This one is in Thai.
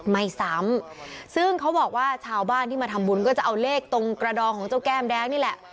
ไม่ซ้ำซึ่งเขาบอกว่าชาวบ้านที่มาทำบุญก็จะเอาเลขตรงกระดองของเจ้าแก้มแดงนี่แหละ